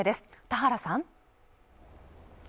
田原さん